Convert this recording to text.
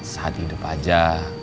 sehati hidup saja